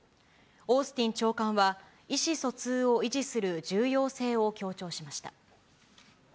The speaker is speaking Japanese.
オースティン長官は、意思疎通を維持する重要性を強調しました。